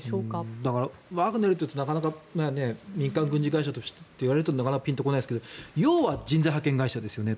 だから、ワグネルというとなかなか民間軍事会社としてって言われるとなかなかピンと来ないですけど要は人材派遣会社ですよね。